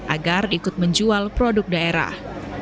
agar ikut menjual produk daerah